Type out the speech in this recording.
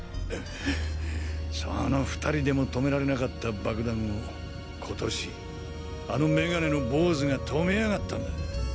その２人でも止められなかった爆弾を今年あの眼鏡のボウズが止めやがったんだ。